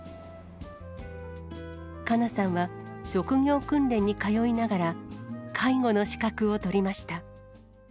かなさんは職業訓練に通いながら、介護の資格を取りました。